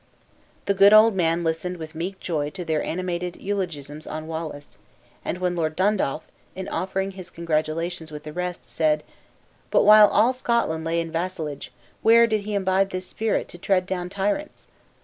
The good old man listened with meek joy to their animated eulogiums on Wallace; and when Lord Dundaff, in offering his congratulations with the rest, said, "But while all Scotland lay in vassalage, where did he imbibe this spirit, to tread down tyrants?"